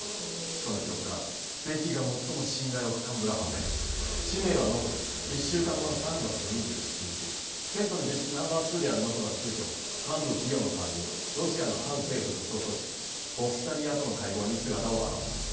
その記録からベキが最も信頼を置く幹部が判明氏名はノコル１週間後の３月２７日テントの実質ナンバー２であるノコルが急きょ幹部ピヨの代わりにロシアの反政府武装組織ヴォスタニアとの会合に姿を現します